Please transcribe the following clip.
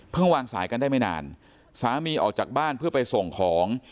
วางสายกันได้ไม่นานสามีออกจากบ้านเพื่อไปส่งของ